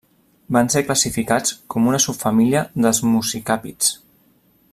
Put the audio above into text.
Van ser classificats com una subfamília dels muscicàpids.